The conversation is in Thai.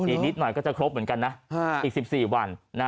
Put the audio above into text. อีกนิดหน่อยก็จะครบเหมือนกันนะอีก๑๔วัน